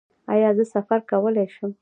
ایا زه سفر کولی شم؟